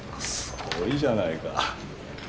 すごいじゃないか。